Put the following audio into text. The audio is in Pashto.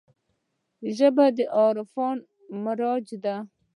ژبه د عرفان معراج دی